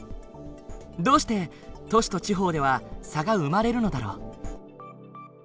どうして都市と地方では差が生まれるのだろう？